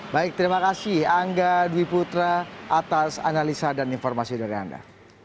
baik terima kasih angga dwi putra atas analisa dan informasi dari anda